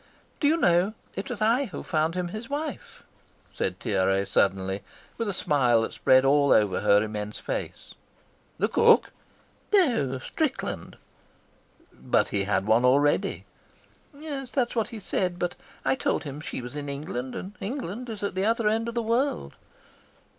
"Do you know, it was I who found him his wife?" said Tiare suddenly, with a smile that spread all over her immense face. "The cook?" "No, Strickland." "But he had one already." "That is what he said, but I told him she was in England, and England is at the other end of the world."